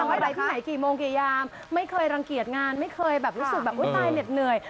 ไปที่ไหนกี่โมงกี่ยามไม่เคยรังเกียจงานไม่เคยแบบรู้สึกแบบอุ๊ยตายเหน็ดเหนื่อย